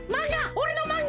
おれのまんが！